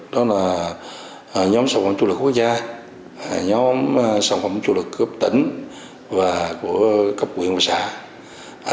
đó là nhóm sản phẩm tru lực quốc gia nhóm sản phẩm tru lực gấp tỉnh và của cấp quyền và xã